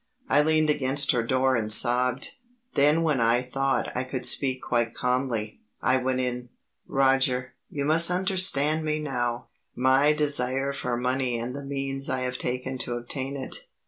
I leaned against her door and sobbed. Then when I thought I could speak quite calmly, I went in. Roger, you must understand me now, my desire for money and the means I have taken to obtain it.